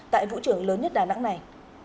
tại vũ trường lớn nhất đà nẵng này